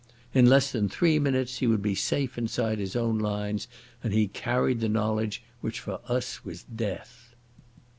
In less than three minutes he would be safe inside his own lines, and he carried the knowledge which for us was death.